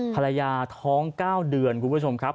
ภรรยาท้อง๙เดือนคุณผู้ชมครับ